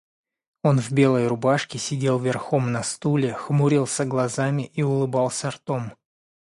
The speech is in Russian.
Он в белой рубашке сидел верхом на стуле, хмурился глазами и улыбался ртом.